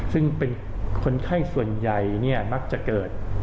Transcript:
ซึ่งเป็นคนไข้ส่วนใหญ่มักจะเกิด